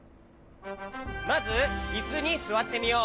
まずいすにすわってみよう。